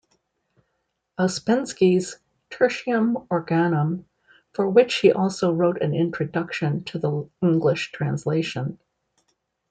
Ouspensky's "Tertium Organum", for which he also wrote an introduction to the English translation.